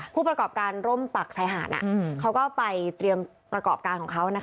ผู้ประกอบการร่มปักชายหาดเขาก็ไปเตรียมประกอบการของเขา